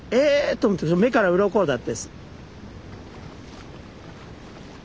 と思って目からうろこだったです。